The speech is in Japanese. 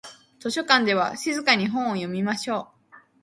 図書館では静かに本を読みましょう。